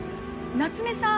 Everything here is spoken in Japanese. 夏目さん